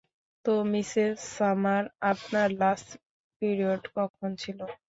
তো Mrs Summer, আপনার last period কখন ছিল?